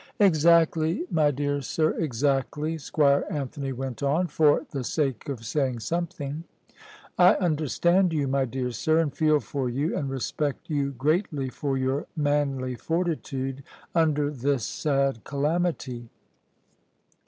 "Exactly, my dear sir, exactly," Squire Anthony went on, for the sake of saying something; "I understand you, my dear sir, and feel for you, and respect you greatly for your manly fortitude under this sad calamity.